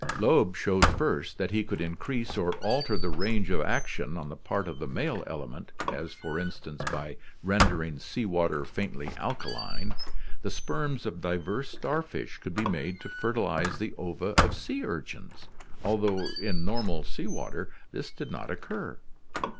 Loeb showed first that he could increase or alter the range of action on the part of the male element, as for instance, by rendering sea water faintly alkaline, the sperms of diverse starfish could be made to fertilize the ova of sea urchins, although in normal sea water this did not occur.